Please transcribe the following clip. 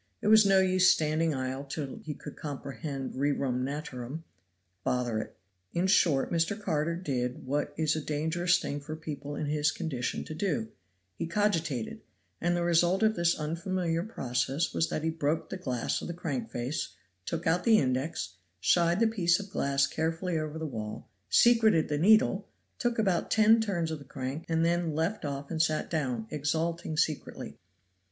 It was no use standing idle till he could comprehend rerum naturam bother it. In short, Mr. Carter did what is a dangerous thing for people in his condition to do, he cogitated, and the result of this unfamiliar process was that he broke the glass of the crank face, took out the index, shied the pieces of glass carefully over the wall, secreted the needle, took about ten turns of the crank, and then left off and sat down, exulting secretly.